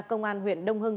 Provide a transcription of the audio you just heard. cơ quan huyện đông hưng